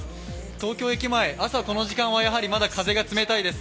東京駅前、朝、この時間は風がまだ冷たいです。